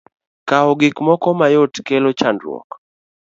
Kawo gik moko mayot, kelo chandruok.